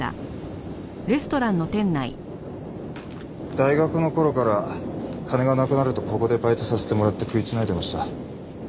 大学の頃から金がなくなるとここでバイトさせてもらって食い繋いでました。